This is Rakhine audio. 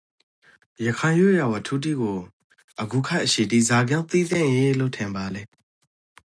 ရခိုင်ရိုးရာဝတ္ထုတိကိုအဂုခေတ်အချေတိဇာကြောင့်သိသင့်ယေလို့ ထင်ပါလေ?